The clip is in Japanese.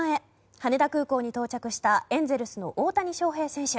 羽田空港に到着したエンゼルスの大谷翔平選手。